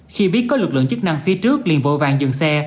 khi biết có lực lượng chức năng phía trước liền vội vàng dừng xe